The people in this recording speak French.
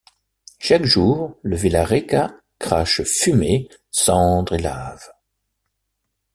Chaque jour, le Villarrica crache fumées, cendres et laves.